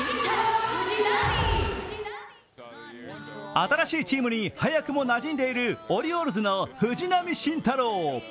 新しいチームに早くもなじんでいるオリオールズの藤浪晋太郎。